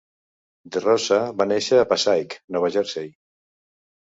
DeRosa va néixer a Passaic, Nova Jersey.